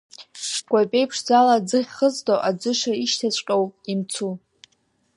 Кәапеи ԥшӡала аӡыхь хызто, аӡыша ишьҭаҵәҟьоу, имцу…